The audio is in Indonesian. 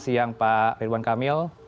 siang pak ridwan kamil